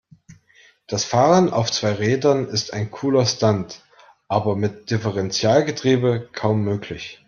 Das Fahren auf zwei Rädern ist ein cooler Stunt, aber mit Differentialgetriebe kaum möglich.